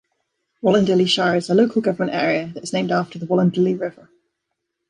Wollondilly Shire is a local government area that is named after the Wollondilly River.